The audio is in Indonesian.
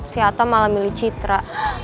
si ata malah milih citra